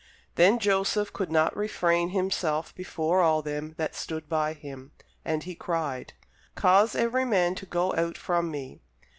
Then Joseph could not refrain himself before all them that stood by him; and he cried, Cause every man to go out from me.